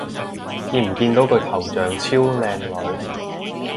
見唔見到佢頭像超靚女